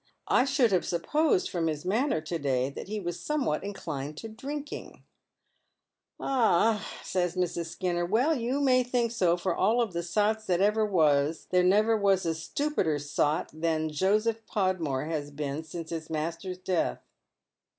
I should have supposed from hia manner to day that he was somewhat inclined to drinkdiag." " Ah," says Mrs. Skinner. " Well you may think so, for of all the sots that ever was, there never was a stupider sot than Joseph Podmore has been since his master's death."